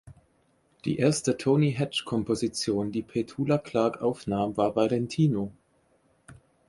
Die erste Tony-Hatch-Komposition, die Petula Clark aufnahm, war "„Valentino“".